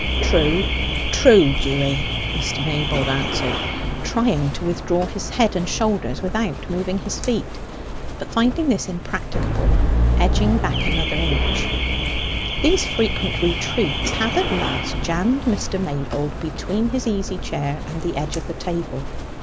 "True, true, Dewy," Mr. Maybold answered, trying to withdraw his head and shoulders without moving his feet; but finding this impracticable, edging back another inch. These frequent retreats had at last jammed Mr. Maybold between his easy chair and the edge of the table.